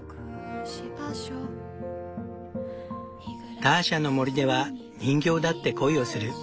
ターシャの森では人形だって恋をする。